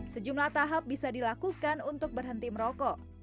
sejumlah tahap bisa dilakukan untuk berhenti merokok